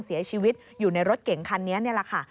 เสียชีวิตอยู่ในรถเก่งคันนี้นี่แหละค่ะ